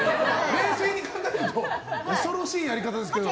冷静に考えると恐ろしいやり方ですけど。